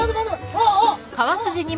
あっ！